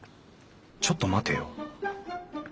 ちょっと待てよ。